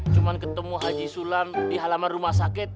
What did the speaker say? cuma ketemu haji sulam di halaman rumah sakit